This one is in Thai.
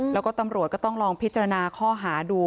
แล้วก็ตำรวจก็ต้องลองพิจารณาข้อหาดู